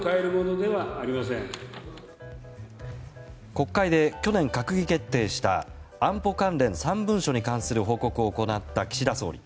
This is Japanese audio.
国会で去年、閣議決定した安保関連３文書に関する報告を行った岸田総理。